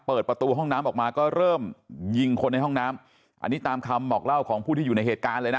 เปิดประตูห้องน้ำออกมาก็เริ่มยิงคนในห้องน้ำอันนี้ตามคำบอกเล่าของผู้ที่อยู่ในเหตุการณ์เลยนะ